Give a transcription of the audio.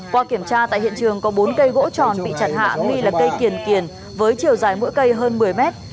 qua kiểm tra tại hiện trường có bốn cây gỗ tròn bị chặt hạ nghi là cây kiềm kiền với chiều dài mỗi cây hơn một mươi mét